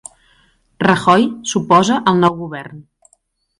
Rajoy s'oposa al nou govern